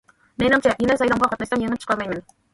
مېنىڭچە، يەنە سايلامغا قاتناشسام، يېڭىپ چىقالايمەن.